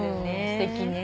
すてきね。